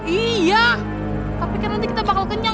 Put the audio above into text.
iya tapi kan nanti kita bakal kenyang